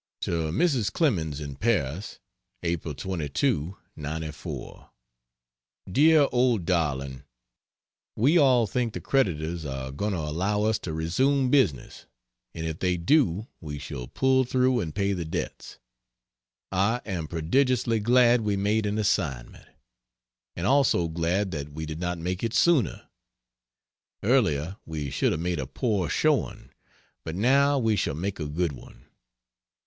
To Mrs. Clemens, in Paris: April 22, '94. Dear old darling, we all think the creditors are going to allow us to resume business; and if they do we shall pull through and pay the debts. I am prodigiously glad we made an assignment. And also glad that we did not make it sooner. Earlier we should have made a poor showing; but now we shall make a good one.